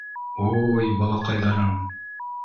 — Уй-й, балаҡайҙарым.